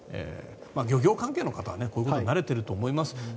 漁業関係の方はこういうことには慣れていると思います。